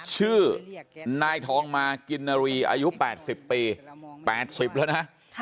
ชื่อนายทองมากินนารีอายุ๘๐ปี๘๐แล้วนะ